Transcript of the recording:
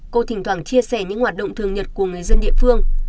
cô thỉnh thoảng chia sẻ những hoạt động thường nhật của người dân địa phương